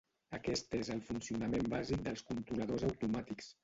Aquest és el funcionament bàsic dels controladors automàtics.